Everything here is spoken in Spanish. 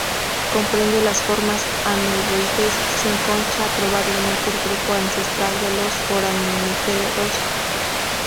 Comprende las formas ameboides sin concha, probablemente el grupo ancestral de los foraminíferos.